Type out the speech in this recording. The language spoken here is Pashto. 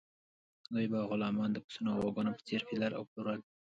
دوی به غلامان د پسونو او غواګانو په څیر پیرل او پلورل.